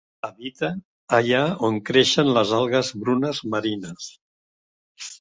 Habita allà on creixen les algues brunes marines.